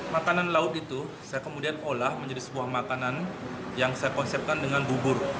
makanan laut itu saya kemudian olah menjadi sebuah makanan yang saya konsepkan dengan bubur